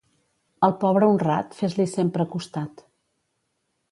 Al pobre honrat, fes-li sempre costat.